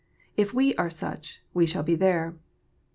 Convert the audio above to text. If we are such, we shall be there.